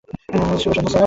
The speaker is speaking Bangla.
শুভ সন্ধ্যা স্যার।